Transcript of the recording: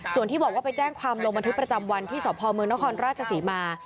ส่วนที่บอกว่าไปแจ้งความลงบันทึกประจำวันที่สพเมืองนครราชศรีมา